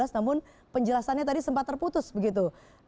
namun penjelasannya tadi sempat terputus begitu